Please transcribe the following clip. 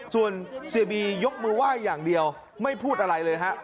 ส่วนเสียบียกมือไหว้อย่างเดียวไม่พูดอะไรเลยฮะ